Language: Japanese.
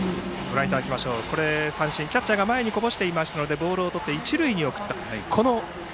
三振ですがキャッチャーが前にこぼしていましたのでボールをとって、一塁に送った。